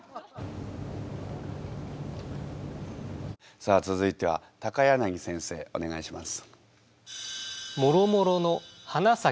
さあ続いては柳先生お願いします。